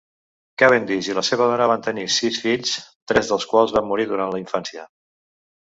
Cavendish i la seva dona van tenir sis fills, tres dels quals van morir durant la infància.